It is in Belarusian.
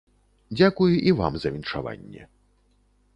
Дзякуй і вам за віншаванне.